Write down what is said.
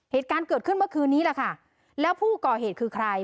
เหตุการณ์เกิดขึ้นเมื่อคืนนี้แหละค่ะแล้วผู้ก่อเหตุคือใคร